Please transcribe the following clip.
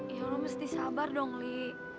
ya lo mesti sabar dong li